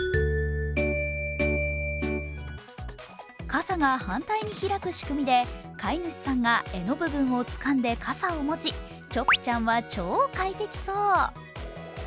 傘が反対に開く仕組みで飼い主さんが枝の部分をつかんで傘を持ちチョッピちゃんは超快適そう。